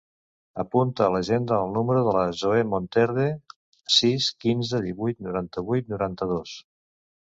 Apunta a l'agenda el número de la Zoè Monterde: sis, quinze, divuit, noranta-vuit, noranta-dos.